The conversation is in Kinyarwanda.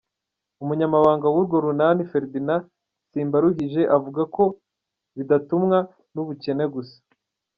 Umunyamabanga w'urwo runani, Ferdinand simbaruhije, avuga ko bidatumwa n'ubukene gusa.